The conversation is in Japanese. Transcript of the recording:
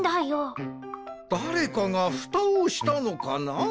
だれかがふたをしたのかな？